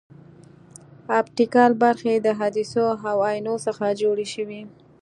اپټیکل برخې د عدسیو او اینو څخه جوړې شوې.